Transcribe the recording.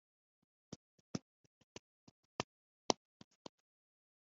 ku bakozi b ikigo cya leta gishinzwe guteza